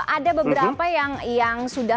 ada beberapa yang sudah